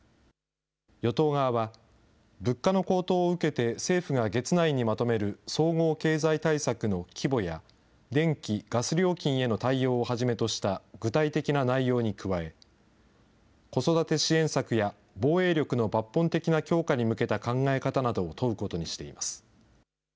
与党側は、物価の高騰を受けて政府が月内にまとめる総合経済対策の規模や、電気、ガス料金への対応をはじめとした具体的な内容に加え、子育て支援策や防衛力の抜本的な強化に向けた考え方などを問うことにしています。